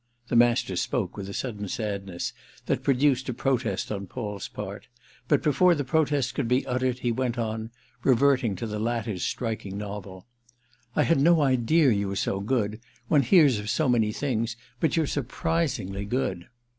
The Master spoke with a sudden sadness that produced a protest on Paul's part; but before the protest could be uttered he went on, reverting to the latter's striking novel: "I had no idea you were so good—one hears of so many things. But you're surprisingly good."